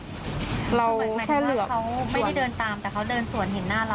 คือหมายความว่าเขาไม่ได้เดินตามแต่เขาเดินสวนเห็นหน้าเรา